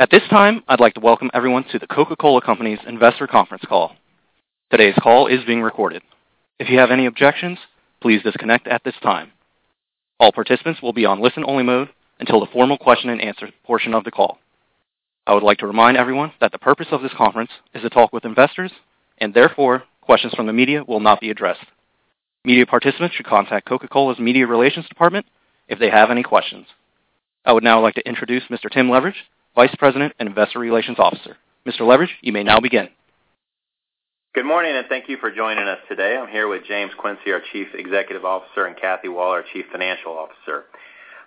At this time, I'd like to welcome everyone to The Coca-Cola Company's investor conference call. Today's call is being recorded. If you have any objections, please disconnect at this time. All participants will be on listen-only mode until the formal question and answer portion of the call. I would like to remind everyone that the purpose of this conference is to talk with investors, and therefore, questions from the media will not be addressed. Media participants should contact Coca-Cola's media relations department if they have any questions. I would now like to introduce Mr. Tim Leveridge, Vice President and Investor Relations Officer. Mr. Leveridge, you may now begin. Good morning. Thank you for joining us today. I'm here with James Quincey, our Chief Executive Officer, and Kathy Waller, our Chief Financial Officer.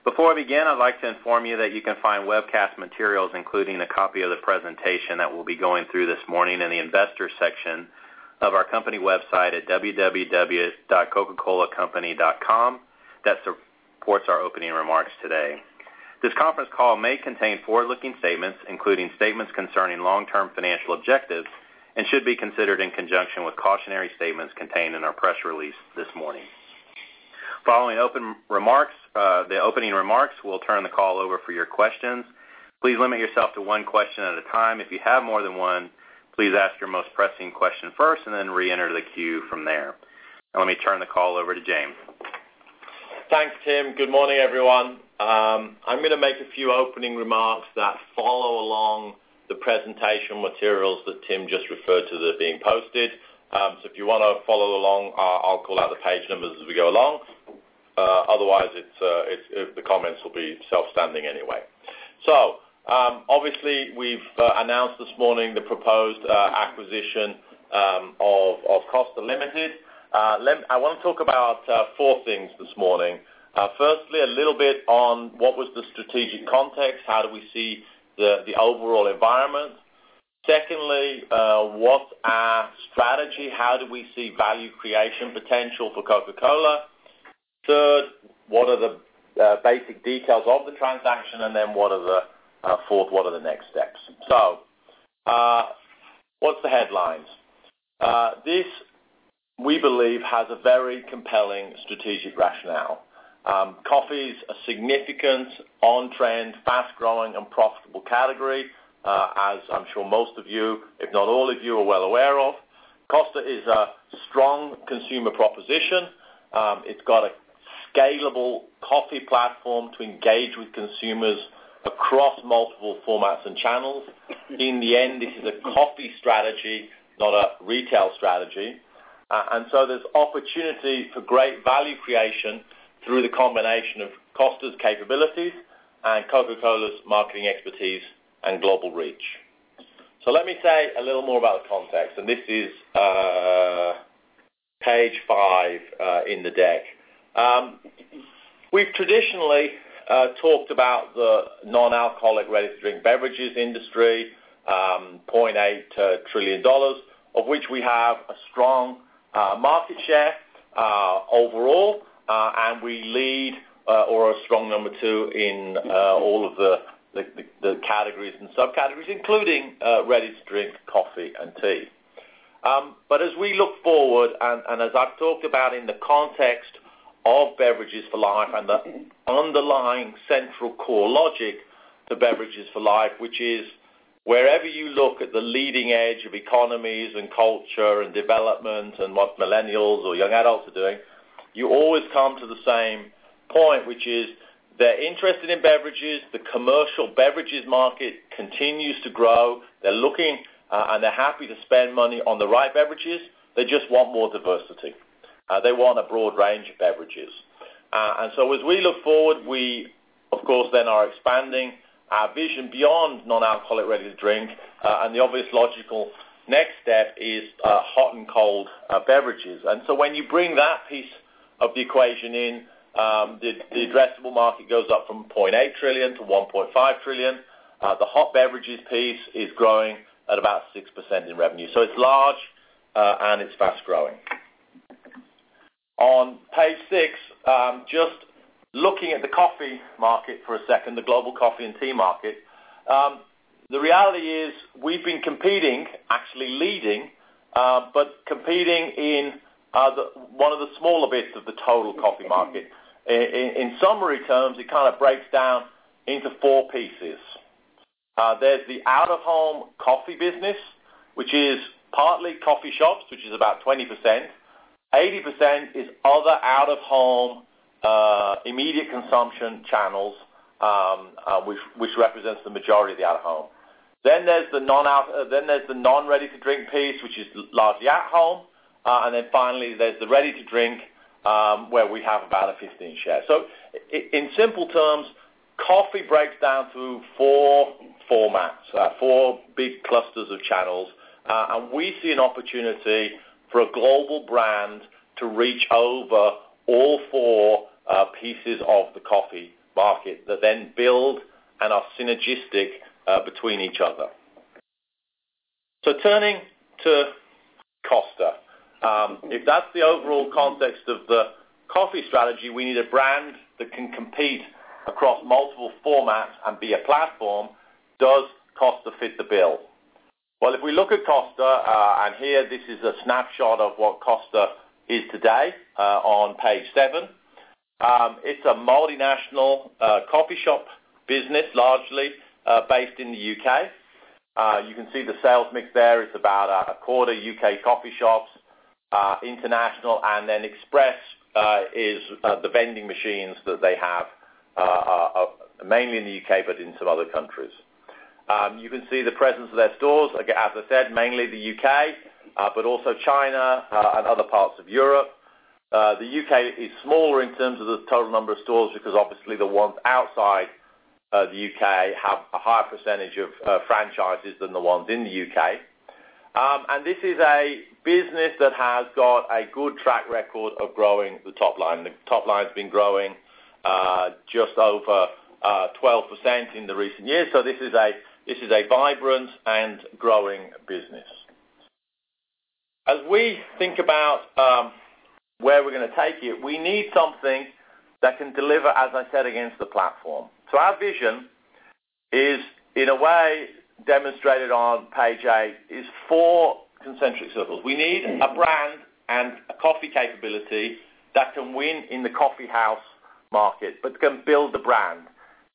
Before I begin, I'd like to inform you that you can find webcast materials, including the copy of the presentation that we'll be going through this morning in the Investors section of our company website at www.coca-colacompany.com that supports our opening remarks today. This conference call may contain forward-looking statements, including statements concerning long-term financial objectives, and should be considered in conjunction with cautionary statements contained in our press release this morning. Following the opening remarks, we'll turn the call over for your questions. Please limit yourself to one question at a time. If you have more than one, please ask your most pressing question first and then reenter the queue from there. Now let me turn the call over to James. Thanks, Tim. Good morning, everyone. I'm going to make a few opening remarks that follow along the presentation materials that Tim just referred to that are being posted. If you want to follow along, I'll call out the page numbers as we go along. Otherwise, the comments will be self-standing anyway. Obviously, we've announced this morning the proposed acquisition of Costa Limited. I want to talk about four things this morning. Firstly, a little bit on what was the strategic context. How do we see the overall environment? Secondly, what's our strategy? How do we see value creation potential for Coca-Cola? Third, what are the basic details of the transaction? Fourth, what are the next steps? What's the headlines? This, we believe, has a very compelling strategic rationale. Coffee's a significant, on-trend, fast-growing and profitable category, as I'm sure most of you, if not all of you, are well aware of. Costa is a strong consumer proposition. It's got a scalable coffee platform to engage with consumers across multiple formats and channels. In the end, this is a coffee strategy, not a retail strategy. There's opportunity for great value creation through the combination of Costa's capabilities and Coca-Cola's marketing expertise and global reach. Let me say a little more about the context. This is page five in the deck. We've traditionally talked about the non-alcoholic ready-to-drink beverages industry, $0.8 trillion, of which we have a strong market share overall, and we lead or are a strong number two in all of the categories and subcategories, including ready-to-drink coffee and tea. As we look forward, as I've talked about in the context of Beverages for Life and the underlying central core logic to Beverages for Life, which is wherever you look at the leading edge of economies and culture and development and what millennials or young adults are doing, you always come to the same point, which is they're interested in beverages. The commercial beverages market continues to grow. They're looking and they're happy to spend money on the right beverages. They just want more diversity. They want a broad range of beverages. As we look forward, we of course then are expanding our vision beyond non-alcoholic ready-to-drink. The obvious logical next step is hot and cold beverages. When you bring that piece of the equation in, the addressable market goes up from $0.8 trillion to $1.5 trillion. The hot beverages piece is growing at about 6% in revenue. It's large and it's fast-growing. On page six, just looking at the coffee market for a second, the global coffee and tea market. The reality is we've been competing, actually leading, but competing in one of the smaller bits of the total coffee market. In summary terms, it kind of breaks down into four pieces. There's the out-of-home coffee business, which is partly coffee shops, which is about 20%. 80% is other out-of-home, immediate consumption channels, which represents the majority of the out-of-home. Then there's the non-ready-to-drink piece, which is largely at home. Then finally, there's the ready-to-drink, where we have about a 15 share. In simple terms, coffee breaks down through four formats, four big clusters of channels. We see an opportunity for a global brand to reach over all four pieces of the coffee market that then build and are synergistic between each other. Turning to Costa. If that's the overall context of the coffee strategy, we need a brand that can compete across multiple formats and be a platform. Does Costa fit the bill? Well, if we look at Costa, and here this is a snapshot of what Costa is today, on page seven. It's a multinational coffee shop business, largely based in the U.K. You can see the sales mix there. It's about a quarter U.K. coffee shops, international, and then express is the vending machines that they have, mainly in the U.K., but in some other countries. You can see the presence of their stores, as I said, mainly the U.K., but also China, and other parts of Europe. The U.K. is smaller in terms of the total number of stores, because obviously the ones outside the U.K. have a higher percentage of franchises than the ones in the U.K. This is a business that has got a good track record of growing the top line. The top line's been growing just over 12% in the recent years. This is a vibrant and growing business. As we think about where we're going to take it, we need something that can deliver, as I said, against the platform. Our vision is, in a way, demonstrated on page eight, is four concentric circles. We need a brand and a coffee capability that can win in the coffee house market, but can build the brand.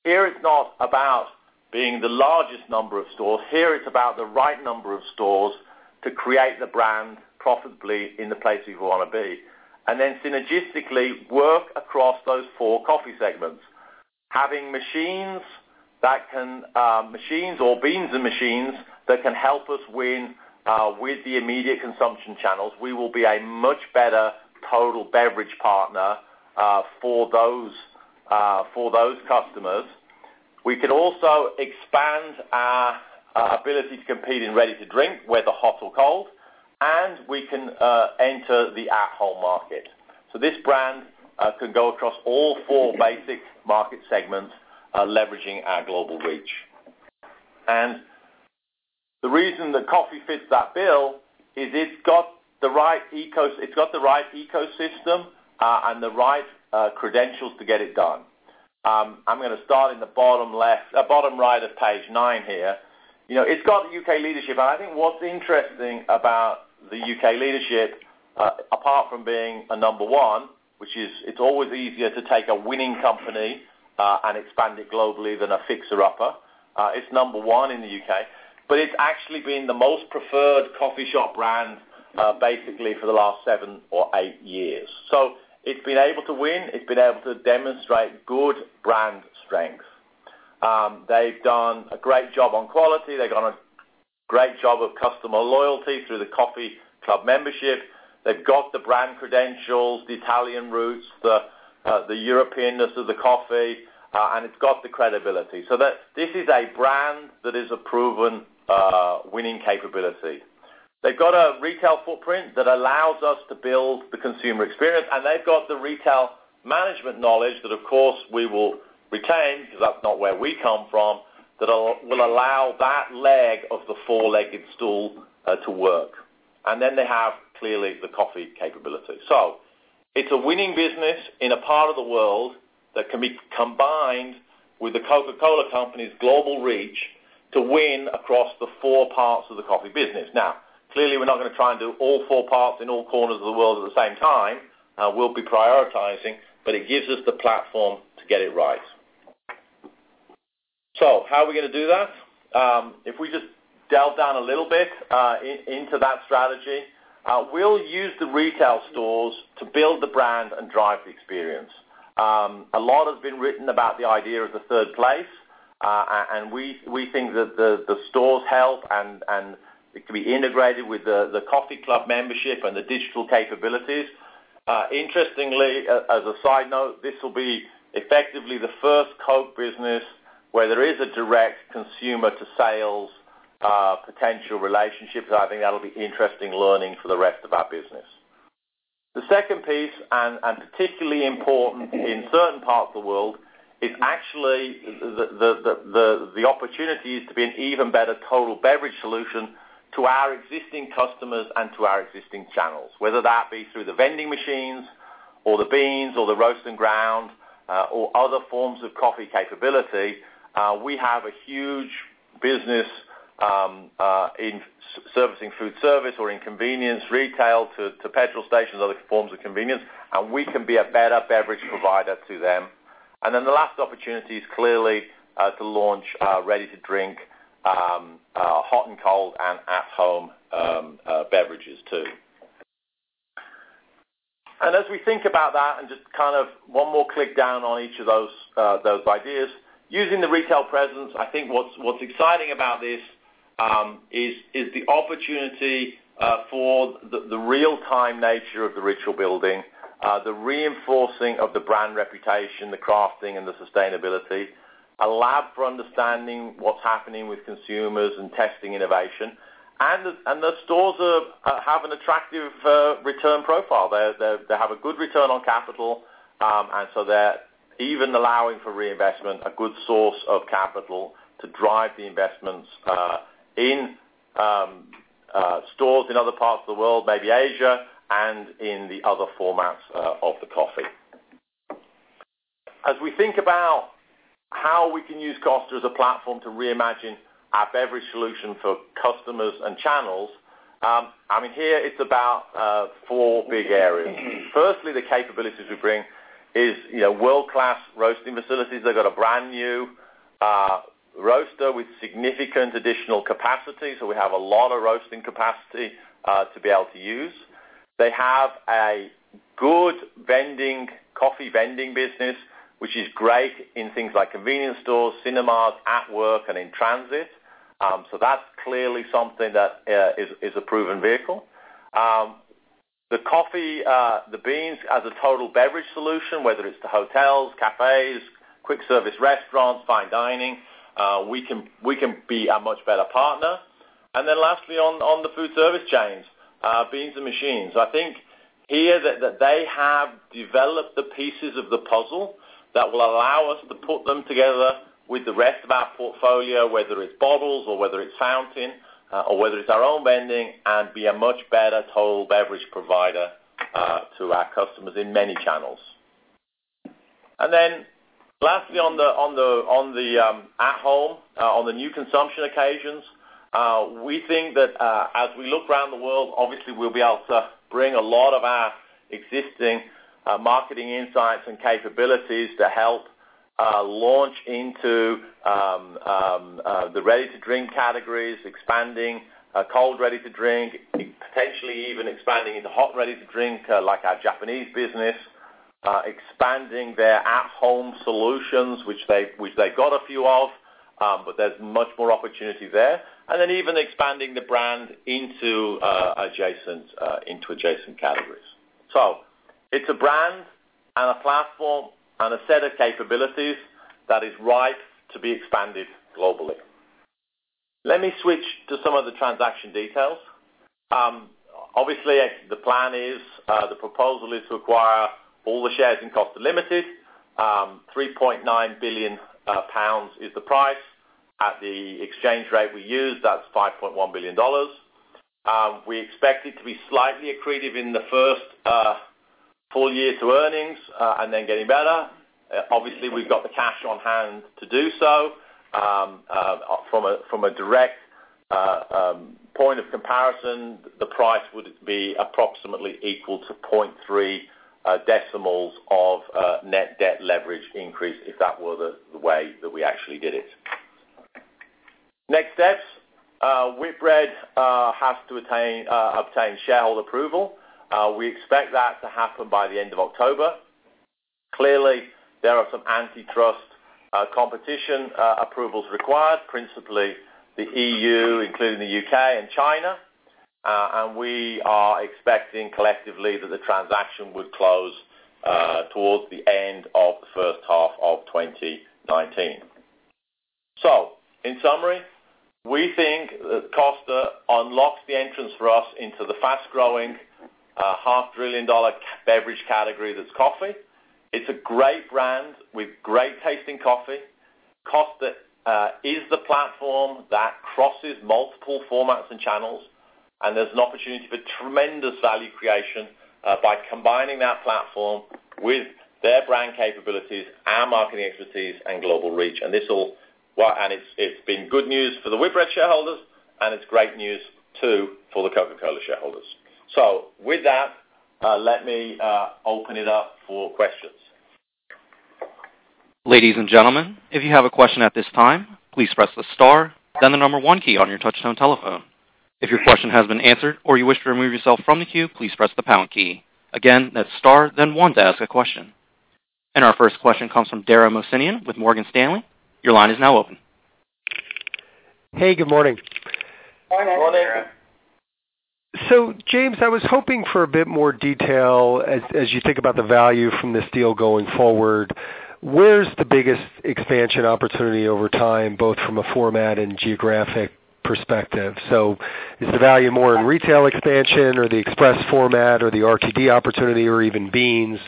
Here, it's not about being the largest number of stores. Here, it's about the right number of stores to create the brand profitably in the places we want to be. Synergistically work across those four coffee segments. Having machines or beans in machines that can help us win with the immediate consumption channels, we will be a much better total beverage partner for those customers. We can also expand our ability to compete in ready to drink, whether hot or cold, and we can enter the at-home market. This brand can go across all four basic market segments, leveraging our global reach. The reason that coffee fits that bill is it's got the right ecosystem and the right credentials to get it done. I'm going to start in the bottom right of page nine here. It's got U.K. leadership, I think what's interesting about the U.K. leadership, apart from being a number one, which it's always easier to take a winning company and expand it globally than a fixer upper. It's number one in the U.K., but it's actually been the most preferred coffee shop brand basically for the last seven or eight years. It's been able to win. It's been able to demonstrate good brand strength. They've done a great job on quality. They've done a great job of customer loyalty through the coffee club membership. They've got the brand credentials, the Italian roots, the Europeanness of the coffee, and it's got the credibility. This is a brand that is a proven winning capability. They've got a retail footprint that allows us to build the consumer experience, they've got the retail management knowledge that, of course, we will retain because that's not where we come from. That will allow that leg of the four-legged stool to work. They have, clearly, the coffee capability. It's a winning business in a part of the world that can be combined with The Coca-Cola Company's global reach to win across the four parts of the coffee business. Clearly, we're not going to try and do all four parts in all corners of the world at the same time. We'll be prioritizing, but it gives us the platform to get it right. How are we going to do that? If we just delve down a little bit into that strategy, we'll use the retail stores to build the brand and drive the experience. A lot has been written about the idea of the third place, we think that the stores help and it can be integrated with the coffee club membership and the digital capabilities. Interestingly, as a side note, this will be effectively the first Coke business where there is a direct consumer to sales potential relationship. I think that'll be interesting learning for the rest of our business. The second piece, particularly important in certain parts of the world, is actually the opportunities to be an even better total beverage solution to our existing customers and to our existing channels. Whether that be through the vending machines or the beans or the roast and ground or other forms of coffee capability. We have a huge business in servicing food service or in convenience retail to petrol stations, other forms of convenience, and we can be a better beverage provider to them. The last opportunity is clearly to launch ready to drink, hot and cold, and at-home beverages, too. As we think about that and just kind of one more click down on each of those ideas. Using the retail presence, I think what's exciting about this is the opportunity for the real time nature of the ritual building, the reinforcing of the brand reputation, the crafting and the sustainability. A lab for understanding what's happening with consumers and testing innovation. The stores have an attractive return profile. They have a good return on capital, they're even allowing for reinvestment, a good source of capital to drive the investments in stores in other parts of the world, maybe Asia and in the other formats of the coffee. As we think about how we can use Costa as a platform to reimagine our beverage solution for customers and channels. Here it's about four big areas. Firstly, the capabilities we bring is world-class roasting facilities. They've got a brand-new roaster with significant additional capacity, so we have a lot of roasting capacity to be able to use. They have a good coffee vending business, which is great in things like convenience stores, cinemas, at work, and in transit. That's clearly something that is a proven vehicle. The coffee, the beans as a total beverage solution, whether it's to hotels, cafes, quick service restaurants, fine dining, we can be a much better partner. Lastly, on the food service chains, beans and machines. I think here that they have developed the pieces of the puzzle that will allow us to put them together with the rest of our portfolio, whether it's bottles or whether it's fountain, or whether it's our own vending, and be a much better total beverage provider to our customers in many channels. Lastly, on the at home, on the new consumption occasions, we think that as we look around the world, obviously, we'll be able to bring a lot of our existing marketing insights and capabilities to help launch into the ready to drink categories, expanding cold ready to drink, potentially even expanding into hot ready to drink like our Japanese business. Expanding their at-home solutions, which they've got a few of, but there's much more opportunity there. Even expanding the brand into adjacent categories. It's a brand and a platform and a set of capabilities that is ripe to be expanded globally. Let me switch to some of the transaction details. Obviously, the plan is, the proposal is to acquire all the shares in Costa Limited. 3.9 billion pounds is the price. At the exchange rate we used, that's $5.1 billion. We expect it to be slightly accretive in the first full year to earnings, and then getting better. Obviously, we've got the cash on hand to do so. From a direct point of comparison, the price would be approximately equal to 0.3 decimals of net debt leverage increase if that were the way that we actually did it. Next steps. Whitbread has to obtain shareholder approval. We expect that to happen by the end of October. Clearly, there are some antitrust competition approvals required, principally the EU, including the U.K. and China, and we are expecting collectively that the transaction would close towards the end of the first half of 2019. In summary, we think that Costa unlocks the entrance for us into the fast-growing half trillion dollar beverage category that's coffee. It's a great brand with great tasting coffee. Costa is the platform that crosses multiple formats and channels, there's an opportunity for tremendous value creation by combining that platform with their brand capabilities, our marketing expertise, and global reach. It's been good news for the Whitbread shareholders, and it's great news too for The Coca-Cola shareholders. With that, let me open it up for questions. Ladies and gentlemen, if you have a question at this time, please press the star, then the number one key on your touchtone telephone. If your question has been answered or you wish to remove yourself from the queue, please press the pound key. Again, that's star then one to ask a question. Our first question comes from Dara Mohsenian with Morgan Stanley. Your line is now open. Hey, good morning. Morning. Morning. James, I was hoping for a bit more detail as you think about the value from this deal going forward. Where's the biggest expansion opportunity over time, both from a format and geographic perspective? Is the value more in retail expansion or the express format or the RTD opportunity or even beans?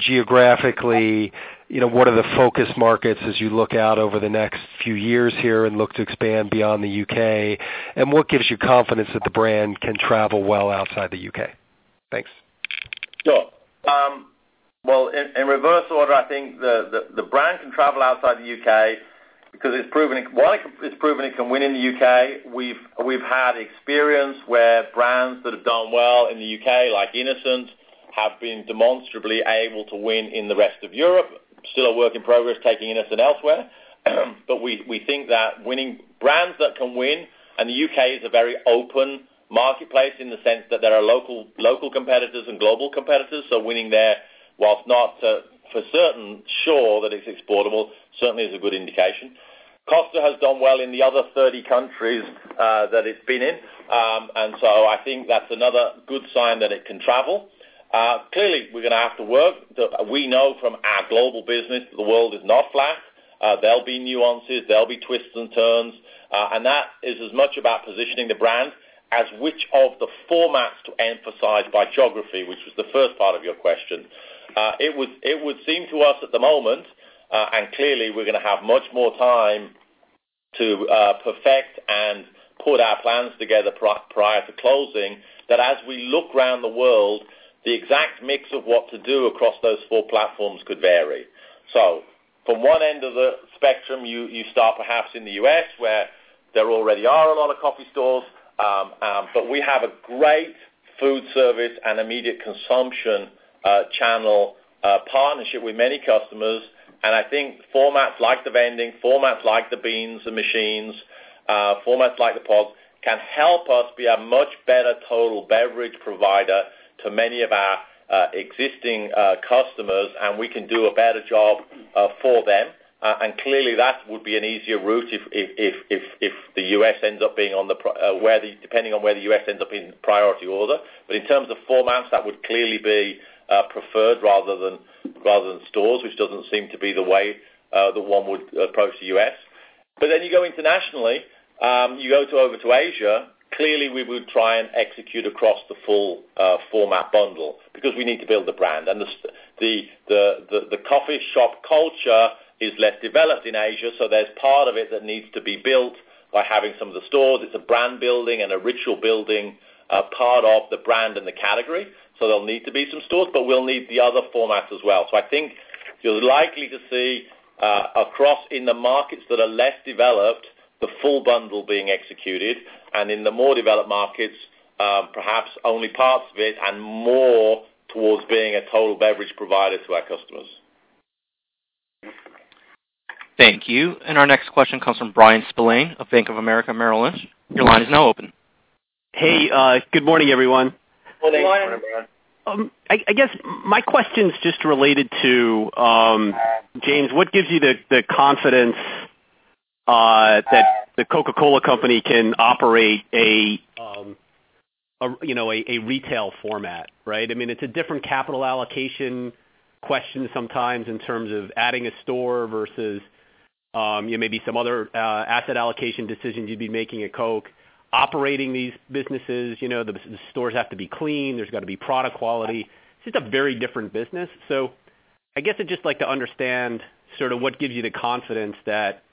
Geographically, what are the focus markets as you look out over the next few years here and look to expand beyond the U.K.? What gives you confidence that the brand can travel well outside the U.K.? Thanks. Sure. Well, in reverse order, I think the brand can travel outside the U.K. because one, it's proven it can win in the U.K. We've had experience where brands that have done well in the U.K., like innocent, have been demonstrably able to win in the rest of Europe. Still a work in progress taking innocent elsewhere. We think that brands that can win, and the U.K. is a very open marketplace in the sense that there are local competitors and global competitors. Winning there, whilst not for certain sure that it's exportable, certainly is a good indication. Costa has done well in the other 30 countries that it's been in. I think that's another good sign that it can travel. Clearly, we're going to have to work. We know from our global business that the world is not flat. There'll be nuances, there'll be twists and turns. That is as much about positioning the brand as which of the formats to emphasize by geography, which was the first part of your question. It would seem to us at the moment, and clearly we're going to have much more time to perfect our plans together prior to closing, that as we look around the world, the exact mix of what to do across those four platforms could vary. From one end of the spectrum, you start perhaps in the U.S., where there already are a lot of coffee stores. We have a great food service and immediate consumption channel partnership with many customers, and I think formats like the vending, formats like the beans and machines, formats like the pod, can help us be a much better total beverage provider to many of our existing customers, and we can do a better job for them. Clearly, that would be an easier route depending on where the U.S. ends up in priority order. In terms of formats, that would clearly be preferred rather than stores, which doesn't seem to be the way that one would approach the U.S. You go internationally, you go over to Asia, clearly we would try and execute across the full format bundle because we need to build the brand. The coffee shop culture is less developed in Asia, so there's part of it that needs to be built by having some of the stores. It's a brand-building and a ritual-building part of the brand and the category. There'll need to be some stores, but we'll need the other formats as well. I think you're likely to see, across in the markets that are less developed, the full bundle being executed, and in the more developed markets, perhaps only parts of it, and more towards being a total beverage provider to our customers. Thank you. Our next question comes from Bryan Spillane of Bank of America Merrill Lynch. Your line is now open. Hey, good morning, everyone. Good morning. I guess my question's just related to, James, what gives you the confidence that The Coca-Cola Company can operate a retail format, right? It's a different capital allocation question sometimes in terms of adding a store versus maybe some other asset allocation decisions you'd be making at Coke. Operating these businesses, the stores have to be clean. There's got to be product quality. It's just a very different business. I guess I'd just like to understand what gives you the confidence that you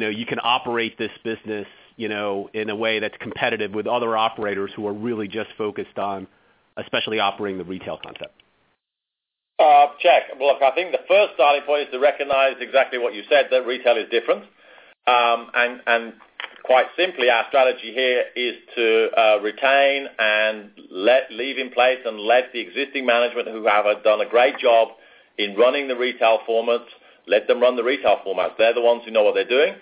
can operate this business in a way that's competitive with other operators who are really just focused on especially operating the retail concept. Check. Look, I think the first starting point is to recognize exactly what you said, that retail is different. Quite simply, our strategy here is to retain and leave in place and let the existing management who have done a great job in running the retail formats, let them run the retail formats. They're the ones who know what they're doing.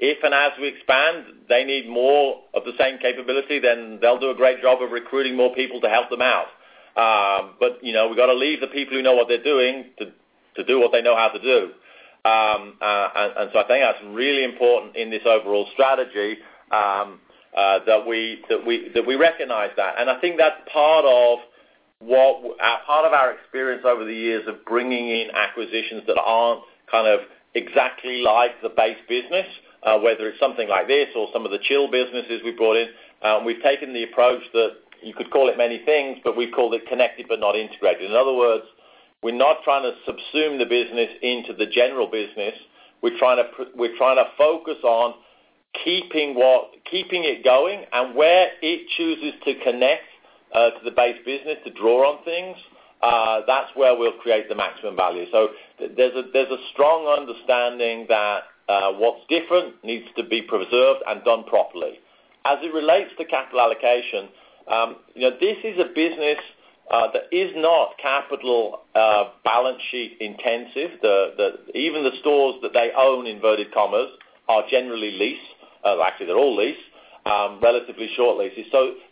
If and as we expand, they need more of the same capability, they'll do a great job of recruiting more people to help them out. We've got to leave the people who know what they're doing to do what they know how to do. I think that's really important in this overall strategy, that we recognize that. I think that's part of our experience over the years of bringing in acquisitions that aren't exactly like the base business, whether it's something like this or some of the chill businesses we brought in. We've taken the approach that you could call it many things, but we've called it connected but not integrated. In other words, we're not trying to subsume the business into the general business. We're trying to focus on keeping it going and where it chooses to connect to the base business to draw on things, that's where we'll create the maximum value. There's a strong understanding that what's different needs to be preserved and done properly. As it relates to capital allocation, this is a business that is not capital balance sheet intensive. Even the stores that they own, inverted commas, are generally leased. Actually, they're all leased, relatively short leases.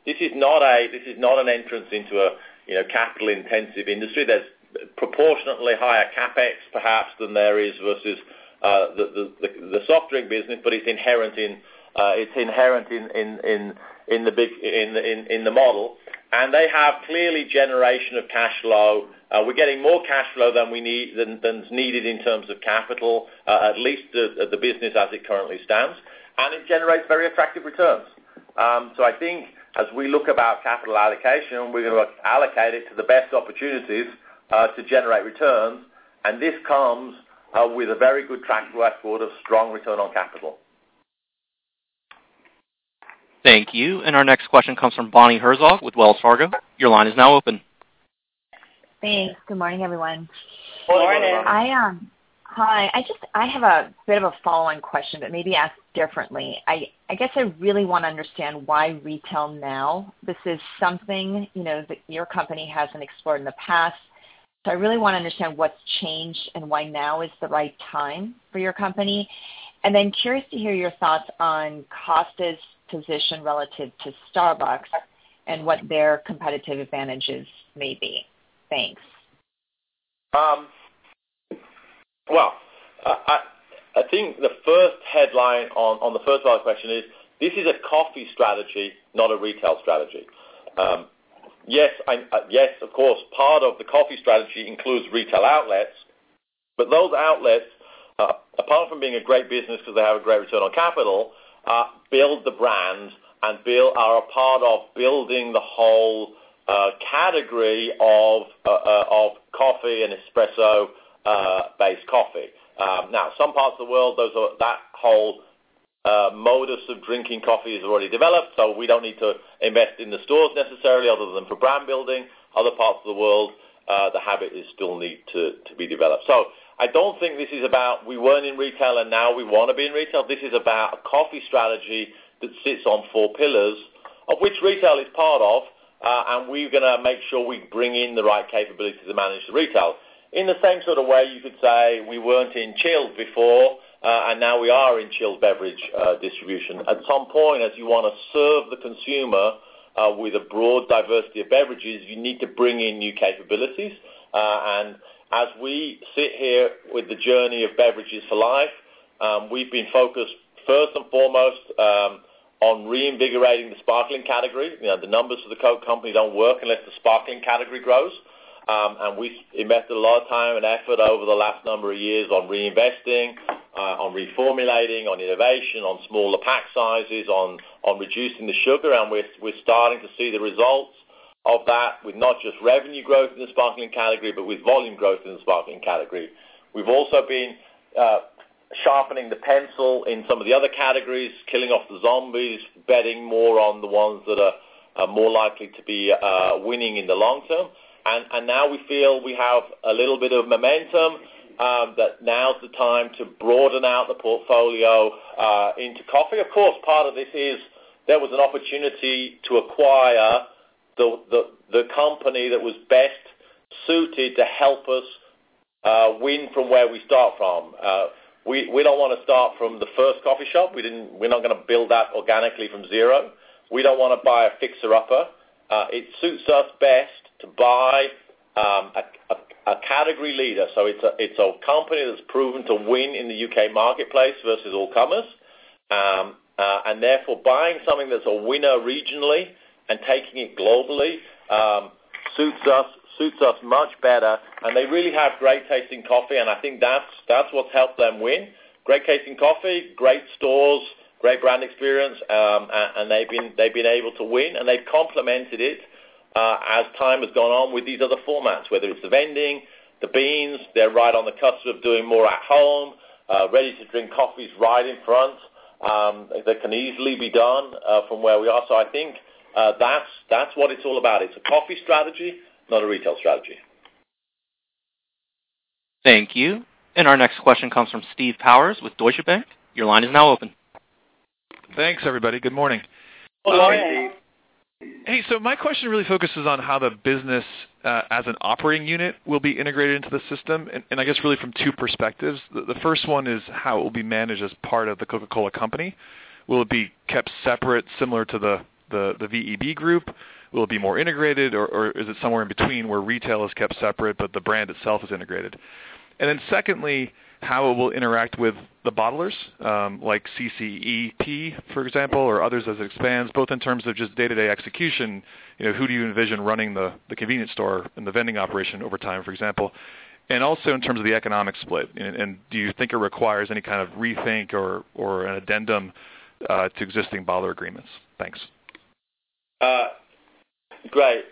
This is not an entrance into a capital-intensive industry. There's proportionately higher CapEx, perhaps, than there is versus the soft drink business, but it's inherent in the model. They have, clearly, generation of cash flow. We're getting more cash flow than is needed in terms of capital, at least the business as it currently stands, and it generates very attractive returns. I think as we look about capital allocation, we're going to allocate it to the best opportunities to generate returns, and this comes with a very good track record of strong return on capital. Thank you. Our next question comes from Bonnie Herzog with Wells Fargo. Your line is now open. Thanks. Good morning, everyone. Good morning. Hi. I have a bit of a follow-on question, but maybe asked differently. I guess I really want to understand why retail now. This is something that your company hasn't explored in the past, so I really want to understand what's changed and why now is the right time for your company. Then curious to hear your thoughts on Costa's position relative to Starbucks and what their competitive advantages may be. Thanks. Well, I think the first headline on the first part of the question is, this is a coffee strategy, not a retail strategy. Yes, of course, part of the coffee strategy includes retail outlets, but those outlets, apart from being a great business because they have a great return on capital, build the brand and are a part of building the whole category of coffee. Some parts of the world, that whole modus of drinking coffee has already developed, so we don't need to invest in the stores necessarily other than for brand-building. Other parts of the world, the habit is still need to be developed. I don't think this is about we weren't in retail and now we want to be in retail. This is about a coffee strategy that sits on four pillars, of which retail is part of, and we're going to make sure we bring in the right capabilities to manage the retail. In the same sort of way, you could say we weren't in chilled before, and now we are in chilled beverage distribution. At some point, as you want to serve the consumer with a broad diversity of beverages, you need to bring in new capabilities. As we sit here with the journey of Beverages for Life, we've been focused first and foremost, on reinvigorating the sparkling category. The numbers for The Coke Company don't work unless the sparkling category grows. We invested a lot of time and effort over the last number of years on reinvesting, on reformulating, on innovation, on smaller pack sizes, on reducing the sugar. We're starting to see the results of that with not just revenue growth in the sparkling category, but with volume growth in the sparkling category. We've also been sharpening the pencil in some of the other categories, killing off the zombies, betting more on the ones that are more likely to be winning in the long term. Now we feel we have a little bit of momentum, that now is the time to broaden out the portfolio into coffee. Of course, part of this is there was an opportunity to acquire the company that was best suited to help us win from where we start from. We don't want to start from the first coffee shop. We're not going to build that organically from zero. We don't want to buy a fixer-upper. It suits us best to buy a category leader. It's a company that's proven to win in the U.K. marketplace versus all comers. Therefore, buying something that's a winner regionally and taking it globally suits us much better. They really have great-tasting coffee, and I think that's what's helped them win. Great-tasting coffee, great stores, great brand experience, and they've been able to win, and they've complemented it, as time has gone on with these other formats, whether it's the vending, the beans. They're right on the cusp of doing more at home, ready-to-drink coffees right in front. They can easily be done from where we are. I think that's what it's all about. It's a coffee strategy, not a retail strategy. Thank you. Our next question comes from Steve Powers with Deutsche Bank. Your line is now open. Thanks, everybody. Good morning. Good morning. Hey, my question really focuses on how the business, as an operating unit, will be integrated into the system, and I guess really from two perspectives. The first one is how it will be managed as part of The Coca-Cola Company. Will it be kept separate, similar to the VEB group? Will it be more integrated, or is it somewhere in between where retail is kept separate, but the brand itself is integrated? Then secondly, how it will interact with the bottlers, like CCEP, for example, or others as it expands, both in terms of just day-to-day execution, who do you envision running the convenience store and the vending operation over time, for example, and also in terms of the economic split. Do you think it requires any kind of rethink or an addendum to existing bottler agreements? Thanks. Great.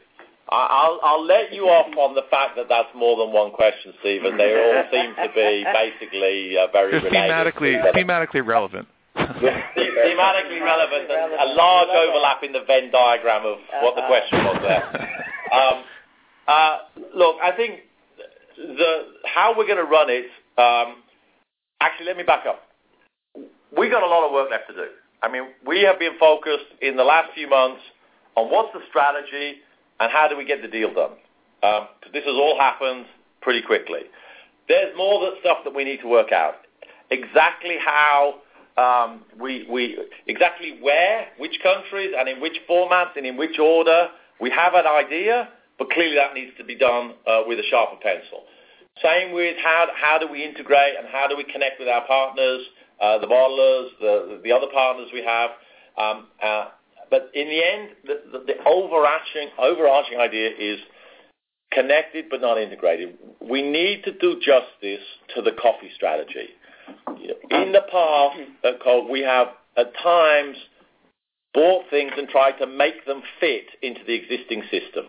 I'll let you off on the fact that that's more than one question, Steve. They all seem to be basically very related. They're thematically relevant. Thematically relevant, a large overlap in the Venn diagram of what the question was there. Look, I think how we're going to run it. Actually, let me back up. We got a lot of work left to do. We have been focused in the last few months on what's the strategy and how do we get the deal done. This has all happened pretty quickly. There's more stuff that we need to work out, exactly where, which countries, and in which formats, and in which order. We have an idea, but clearly, that needs to be done with a sharper pencil. Same with how do we integrate and how do we connect with our partners, the bottlers, the other partners we have. In the end, the overarching idea is connected, but not integrated. We need to do justice to the coffee strategy. In the past, at Coke, we have at times bought things and tried to make them fit into the existing system.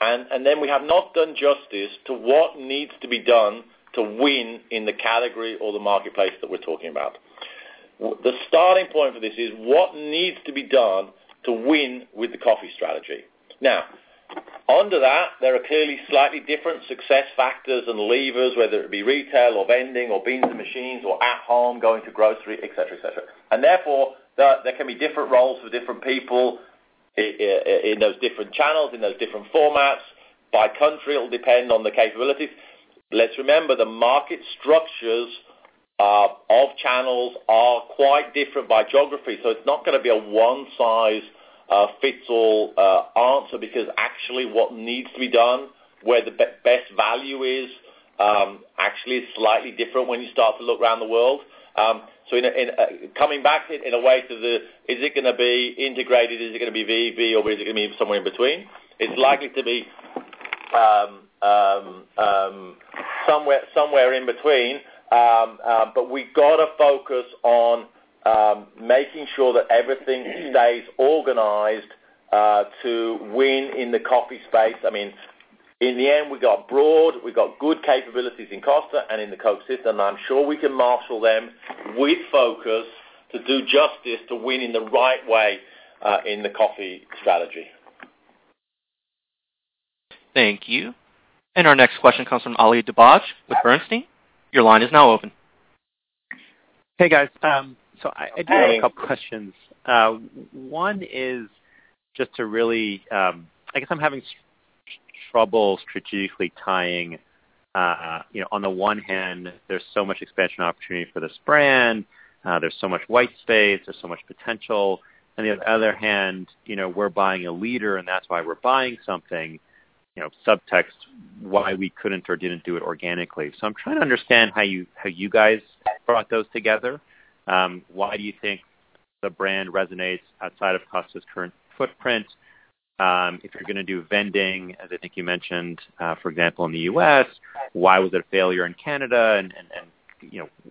Then we have not done justice to what needs to be done to win in the category or the marketplace that we're talking about. The starting point for this is what needs to be done to win with the coffee strategy. Now, under that, there are clearly slightly different success factors and levers, whether it be retail or vending or beans in machines or at home, going to grocery, et cetera. Therefore, there can be different roles for different people in those different channels, in those different formats. By country, it will depend on the capabilities. Let's remember, the market structures of channels are quite different by geography. It's not going to be a one-size-fits-all answer because actually what needs to be done, where the best value is actually is slightly different when you start to look around the world. Coming back in a way to the, is it going to be integrated? Is it going to be VEB, or is it going to be somewhere in between? It's likely to be somewhere in between. We've got to focus on making sure that everything stays organized in the coffee space. In the end, we've got broad, we've got good capabilities in Costa and in the Coke system, and I'm sure we can marshal them with focus to do justice to win in the right way, in the coffee strategy. Thank you. Our next question comes from Ali Dibadj with Bernstein. Your line is now open. Hey, guys. Hey. I do have a couple questions. One is just to really I guess I'm having trouble strategically tying, on the one hand, there's so much expansion opportunity for this brand, there's so much white space, there's so much potential. On the other hand, we're buying a leader, and that's why we're buying something. Subtext, why we couldn't or didn't do it organically. I'm trying to understand how you guys brought those together. Why do you think the brand resonates outside of Costa's current footprint? If you're going to do vending, as I think you mentioned, for example, in the U.S., why was it a failure in Canada and,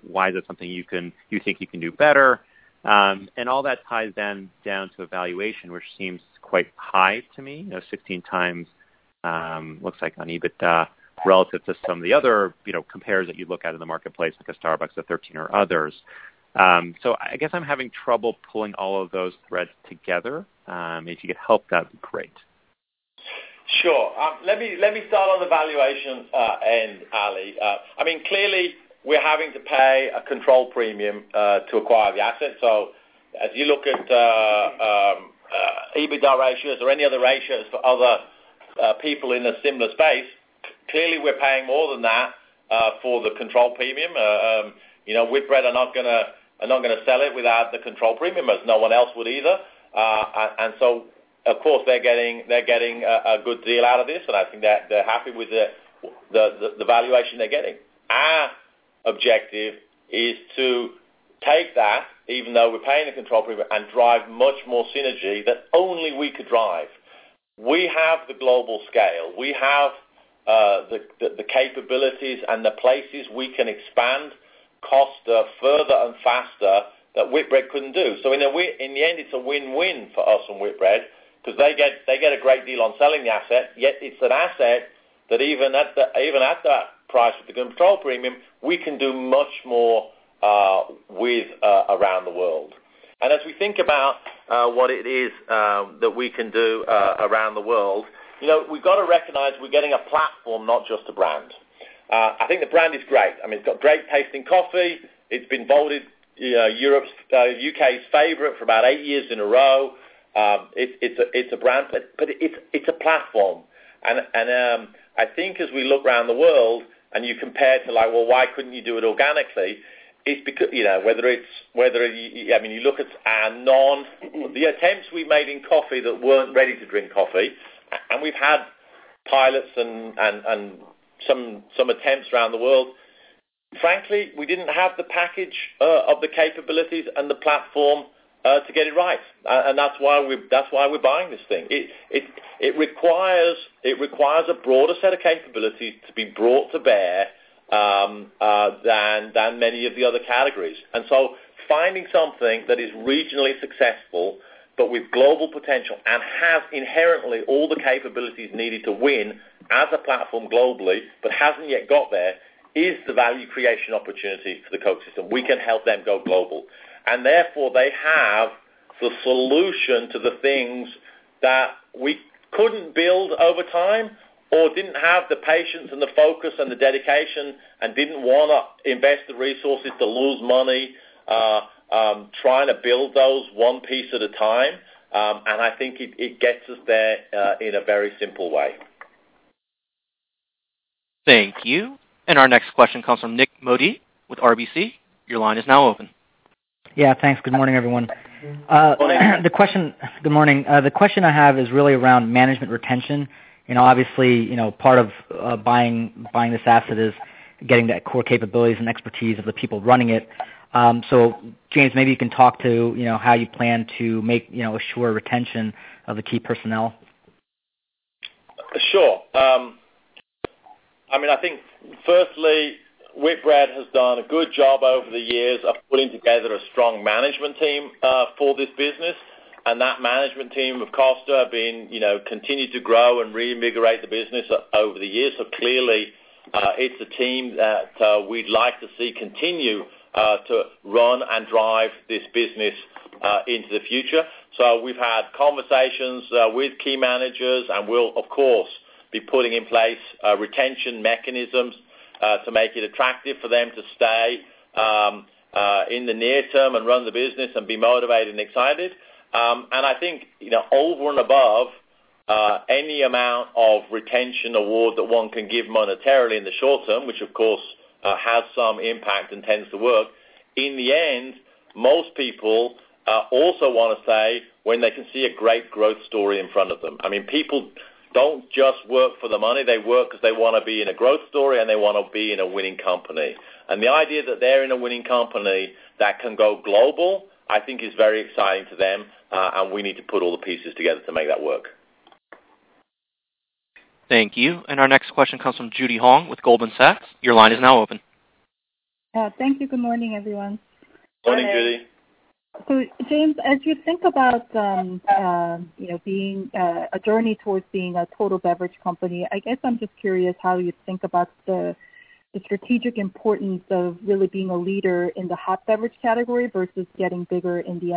why is it something you think you can do better? All that ties then down to a valuation, which seems quite high to me. 16 times, looks like on EBITDA relative to some of the other compares that you look at in the marketplace, like a Starbucks at 13 or others. I guess I'm having trouble pulling all of those threads together. If you could help, that'd be great. Sure. Let me start on the valuation end, Ali. Clearly, we're having to pay a control premium, to acquire the asset. As you look at EBITDA ratios or any other ratios for other people in a similar space, clearly we're paying more than that, for the control premium. Whitbread are not going to sell it without the control premium, as no one else would either. Of course, they're getting a good deal out of this, and I think they're happy with the valuation they're getting. Our objective is to take that, even though we're paying the control premium, and drive much more synergy that only we could drive. We have the global scale. We have the capabilities and the places we can expand Costa further and faster that Whitbread couldn't do. In the end, it's a win-win for us and Whitbread because they get a great deal on selling the asset, yet it's an asset that even at that price with the control premium, we can do much more with around the world. As we think about what it is that we can do around the world, we've got to recognize we're getting a platform, not just a brand. I think the brand is great. It's got great tasting coffee. It's been voted U.K.'s favorite for about eight years in a row. It's a brand, but it's a platform. I think as we look around the world and you compare to why couldn't you do it organically, it's because whether you look at our the attempts we made in coffee that weren't ready-to-drink coffee, and we've had pilots and some attempts around the world. Frankly, we didn't have the package of the capabilities and the platform to get it right. That's why we're buying this thing. It requires a broader set of capabilities to be brought to bear than many of the other categories. So finding something that is regionally successful, but with global potential and has inherently all the capabilities needed to win as a platform globally but hasn't yet got there is the value creation opportunity to the Coke system. We can help them go global. Therefore, they have the solution to the things that we couldn't build over time or didn't have the patience and the focus and the dedication and didn't want to invest the resources to lose money trying to build those one piece at a time. I think it gets us there in a very simple way. Thank you. Our next question comes from Nik Modi with RBC. Your line is now open. Yeah. Thanks. Good morning, everyone. Morning. Good morning. The question I have is really around management retention. Obviously, part of buying this asset is getting that core capabilities and expertise of the people running it. James, maybe you can talk to how you plan to make sure retention of the key personnel. Sure. I think firstly, Whitbread has done a good job over the years of pulling together a strong management team for this business, and that management team of Costa have been continue to grow and reinvigorate the business over the years. Clearly, it's a team that we'd like to see continue to run and drive this business into the future. We've had conversations with key managers, and we'll of course, be putting in place retention mechanisms to make it attractive for them to stay in the near term and run the business and be motivated and excited. I think, over and above, any amount of retention award that one can give monetarily in the short term, which of course, has some impact and tends to work. In the end, most people also want a say when they can see a great growth story in front of them. People don't just work for the money. They work because they want to be in a growth story, and they want to be in a winning company. The idea that they're in a winning company that can go global, I think is very exciting to them. We need to put all the pieces together to make that work. Thank you. Our next question comes from Judy Hong with Goldman Sachs. Your line is now open. Thank you. Good morning, everyone. Morning, Judy. James, as you think about a journey towards being a total beverage company, I guess I'm just curious how you think about the strategic importance of really being a leader in the hot beverage category versus getting bigger in the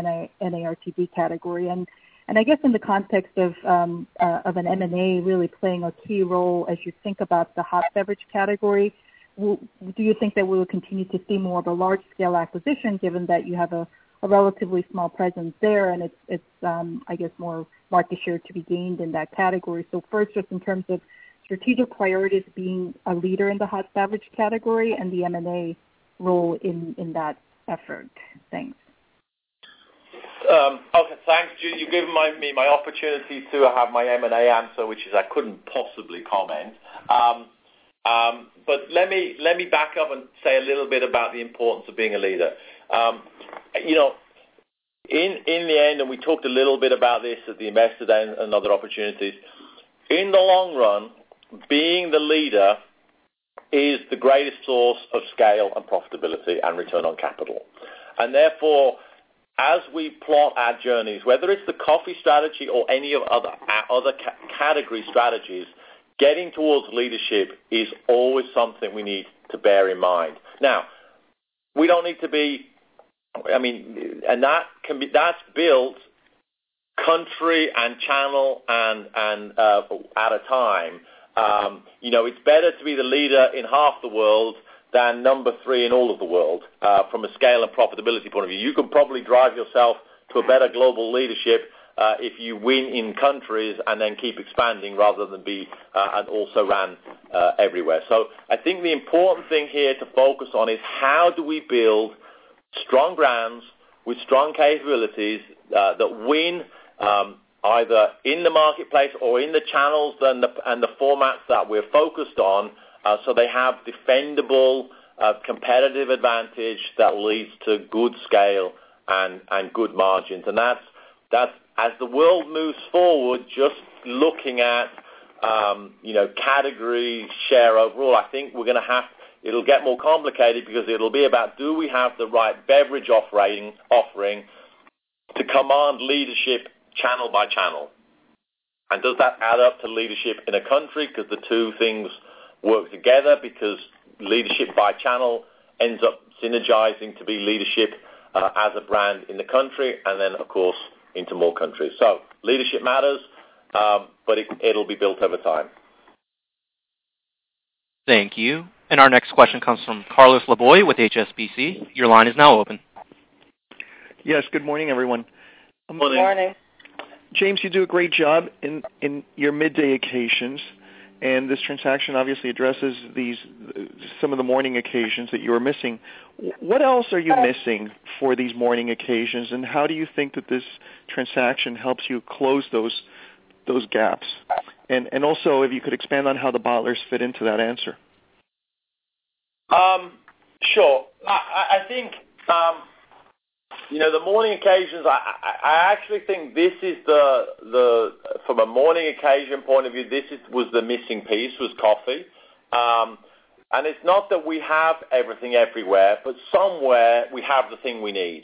NARTD category. I guess in the context of an M&A really playing a key role as you think about the hot beverage category, do you think that we will continue to see more of a large-scale acquisition, given that you have a relatively small presence there and it's, I guess, more market share to be gained in that category? First, just in terms of strategic priorities, being a leader in the hot beverage category and the M&A role in that effort. Thanks. Okay. Thanks, Judy. You've given me my opportunity to have my M&A answer, which is I couldn't possibly comment. Let me back up and say a little bit about the importance of being a leader. In the end, and we talked a little bit about this at the investor day and other opportunities, in the long run, being the leader is the greatest source of scale and profitability and return on capital. Therefore, as we plot our journeys, whether it's the coffee strategy or any of other category strategies, getting towards leadership is always something we need to bear in mind. That's built country and channel and at a time. It's better to be the leader in half the world than number three in all of the world from a scale and profitability point of view. You can probably drive yourself to a better global leadership, if you win in countries and then keep expanding rather than be an also-ran everywhere. I think the important thing here to focus on is how do we build strong brands with strong capabilities that win either in the marketplace or in the channels and the formats that we're focused on, so they have defendable competitive advantage that leads to good scale and good margins. As the world moves forward, just looking at category share overall, I think it'll get more complicated because it'll be about do we have the right beverage offering to command leadership channel by channel. Does that add up to leadership in a country? Because the two things work together, because leadership by channel ends up synergizing to be leadership as a brand in the country and then, of course, into more countries. Leadership matters, but it'll be built over time. Thank you. Our next question comes from Carlos Laboy with HSBC. Your line is now open. Yes. Good morning, everyone. Morning. Good morning. James, you do a great job in your midday occasions, this transaction obviously addresses some of the morning occasions that you are missing. What else are you missing for these morning occasions, and how do you think that this transaction helps you close those gaps? Also, if you could expand on how the bottlers fit into that answer. Sure. From a morning occasion point of view, this was the missing piece, was coffee. It's not that we have everything everywhere, but somewhere we have the thing we need.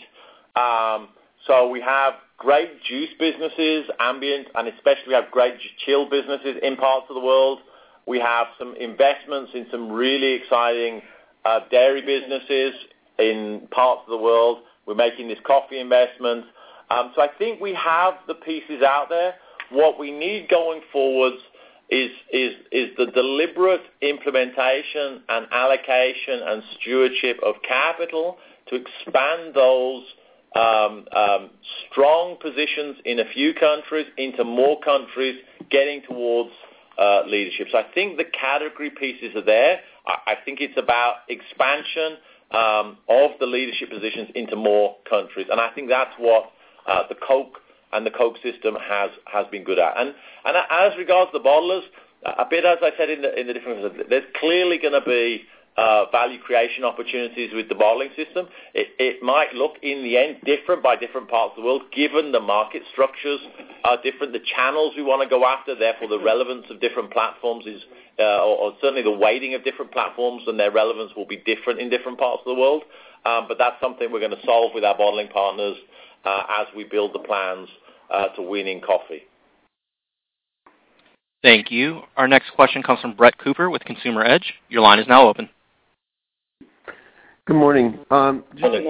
We have great juice businesses, ambient, and especially we have great chilled businesses in parts of the world. We have some investments in some really exciting dairy businesses in parts of the world. We're making these coffee investments. I think we have the pieces out there. What we need going forward is the deliberate implementation and allocation and stewardship of capital to expand those strong positions in a few countries into more countries getting towards leadership. I think the category pieces are there. I think it's about expansion of the leadership positions into more countries. I think that's what the Coke and the Coke system has been good at. As regards to bottlers, a bit as I said in the difference, there's clearly going to be value creation opportunities with the bottling system. It might look, in the end, different by different parts of the world, given the market structures are different, the channels we want to go after, therefore the relevance of different platforms is, or certainly the weighting of different platforms and their relevance will be different in different parts of the world. That's something we're going to solve with our bottling partners as we build the plans to winning coffee. Thank you. Our next question comes from Brett Cooper with Consumer Edge. Your line is now open. Good morning. Good morning. Just a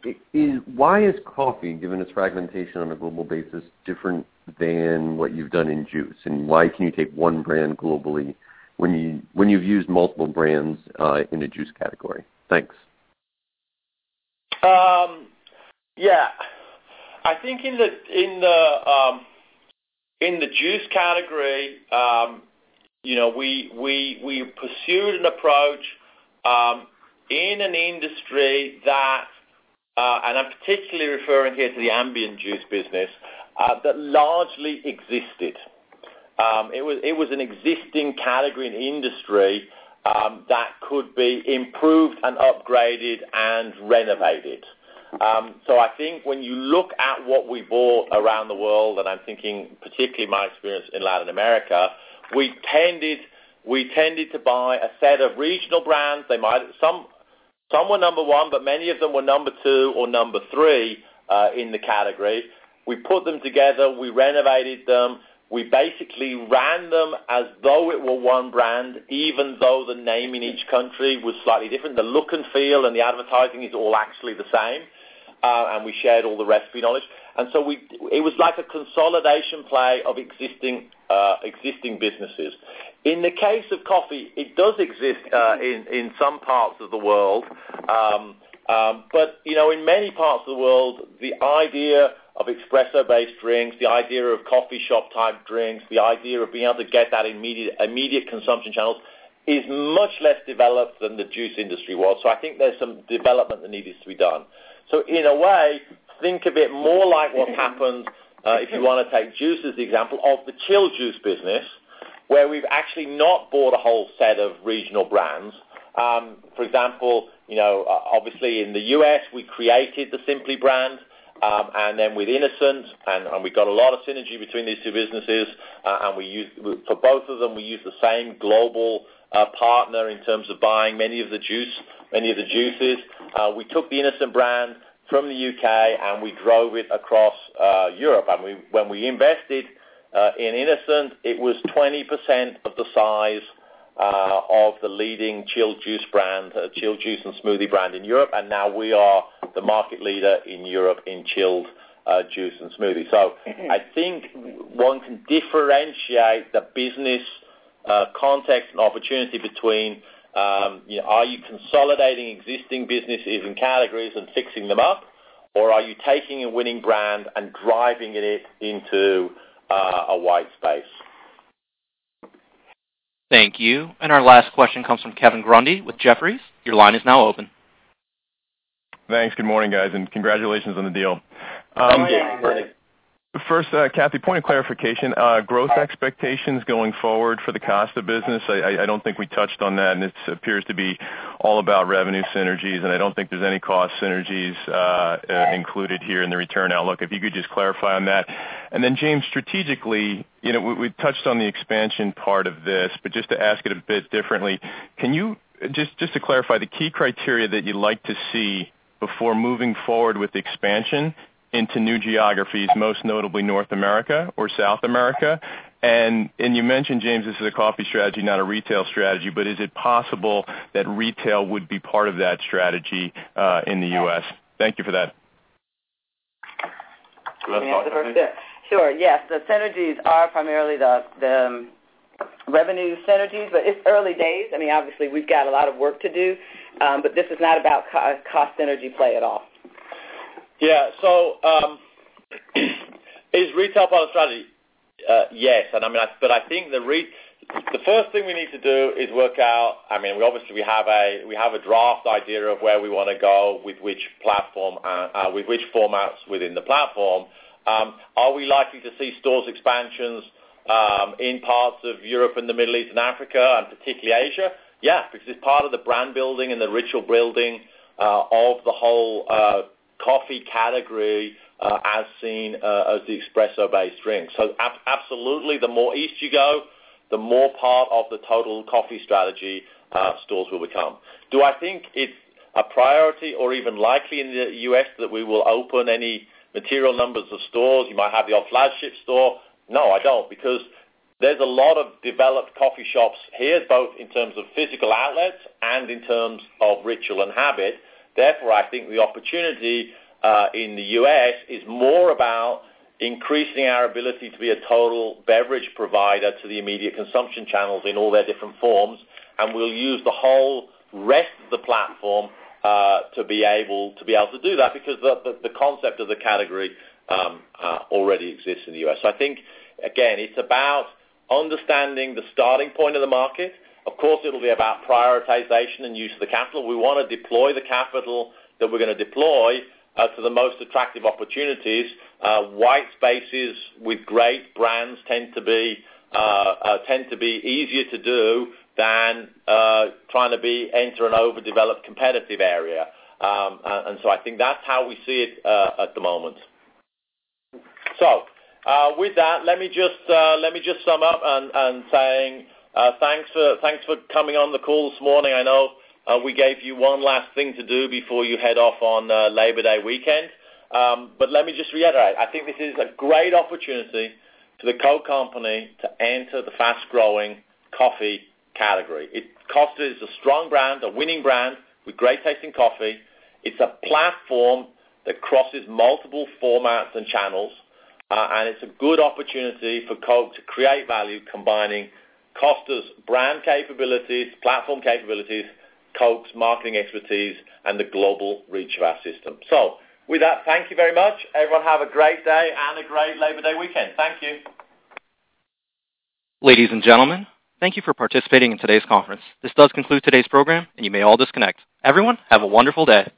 quick one. Why is coffee, given its fragmentation on a global basis, different than what you've done in juice? Why can you take one brand globally when you've used multiple brands in a juice category? Thanks. Yeah. I think in the juice category, we pursued an approach in an industry that, and I'm particularly referring here to the ambient juice business, that largely existed. It was an existing category and industry that could be improved and upgraded and renovated. I think when you look at what we bought around the world, and I'm thinking particularly my experience in Latin America, we tended to buy a set of regional brands. Some were number 1, but many of them were number 2 or number 3 in the category. We put them together, we renovated them. We basically ran them as though it were one brand, even though the name in each country was slightly different. The look and feel and the advertising is all actually the same, we shared all the recipe knowledge. It was like a consolidation play of existing businesses. In the case of coffee, it does exist in some parts of the world. In many parts of the world, the idea of espresso-based drinks, the idea of coffee shop-type drinks, the idea of being able to get that immediate consumption channels, is much less developed than the juice industry was. I think there's some development that needed to be done. In a way, think of it more like what happens, if you want to take juice as the example, of the chilled juice business, where we've actually not bought a whole set of regional brands. For example, obviously in the U.S., we created the Simply brand, then with innocent, we got a lot of synergy between these two businesses. For both of them, we used the same global partner in terms of buying many of the juices. We took the innocent brand from the U.K., we drove it across Europe. When we invested in innocent, it was 20% of the size of the leading chilled juice and smoothie brand in Europe, now we are the market leader in Europe in chilled juice and smoothie. I think one can differentiate the business context and opportunity between, are you consolidating existing businesses and categories and fixing them up, or are you taking a winning brand and driving it into a wide space? Thank you. Our last question comes from Kevin Grundy with Jefferies. Your line is now open. Thanks. Good morning, guys, congratulations on the deal. Good morning. First, Kathy, point of clarification. Growth expectations going forward for the Costa business, I don't think we touched on that. It appears to be all about revenue synergies. I don't think there's any cost synergies included here in the return outlook. If you could just clarify on that. James, strategically, we touched on the expansion part of this, but just to ask it a bit differently, just to clarify the key criteria that you'd like to see before moving forward with expansion into new geographies, most notably North America or South America. You mentioned, James, this is a coffee strategy, not a retail strategy, but is it possible that retail would be part of that strategy in the U.S.? Thank you for that. Do you want to start? Sure. Yes. The synergies are primarily the revenue synergies, but it's early days. Obviously, we've got a lot of work to do, but this is not about cost synergy play at all. Yeah. Is retail part of the strategy? Yes. The first thing we need to do is work out, obviously, we have a draft idea of where we want to go with which formats within the platform. Are we likely to see stores expansions in parts of Europe and the Middle East and Africa, and particularly Asia? Yes, because it's part of the brand-building and the ritual-building of the whole coffee category, as seen as the espresso-based drink. Absolutely, the more east you go, the more part of the total coffee strategy stores will become. Do I think it's a priority or even likely in the U.S. that we will open any material numbers of stores? You might have your flagship store. No, I don't, because there's a lot of developed coffee shops here, both in terms of physical outlets and in terms of ritual and habit. I think the opportunity in the U.S. is more about increasing our ability to be a total beverage provider to the immediate consumption channels in all their different forms. We'll use the whole rest of the platform to be able to do that because the concept of the category already exists in the U.S. I think, again, it's about understanding the starting point of the market. Of course, it'll be about prioritization and use of the capital. We want to deploy the capital that we're going to deploy to the most attractive opportunities. Wide spaces with great brands tend to be easier to do than trying to enter an overdeveloped competitive area. I think that's how we see it at the moment. With that, let me just sum up and saying, thanks for coming on the call this morning. I know we gave you one last thing to do before you head off on Labor Day weekend. Let me just reiterate, I think this is a great opportunity for The Coca-Cola Company to enter the fast-growing coffee category. Costa is a strong brand, a winning brand with great-tasting coffee. It's a platform that crosses multiple formats and channels, and it's a good opportunity for Coke to create value combining Costa's brand capabilities, platform capabilities, Coke's marketing expertise, and the global reach of our system. With that, thank you very much. Everyone, have a great day and a great Labor Day weekend. Thank you. Ladies and gentlemen, thank you for participating in today's conference. This does conclude today's program, and you may all disconnect. Everyone, have a wonderful day.